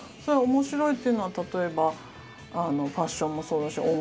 それは面白いっていうのは例えばファッションもそうだし